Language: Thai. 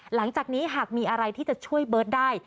หลังจากนี้หากมีอะไรที่จะช่วยเบิร์ตได้